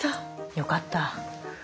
よかった。